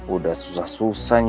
udah ya tasya